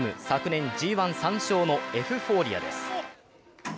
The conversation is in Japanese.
昨年Ｇ１・３勝のエフフォーリアです。